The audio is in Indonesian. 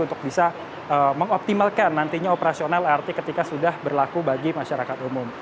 untuk bisa mengoptimalkan nantinya operasional lrt ketika sudah berlaku bagi masyarakat umum